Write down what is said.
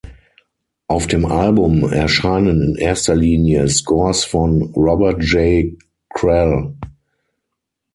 Auf dem Album erscheinen in erster Linie Scores von Robert J. Kral.